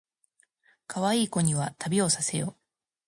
かわいい子には旅をさせよ